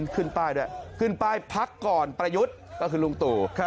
ขึ้นป้ายด้วยขึ้นป้ายพักก่อนประยุทธ์ก็คือลุงตู่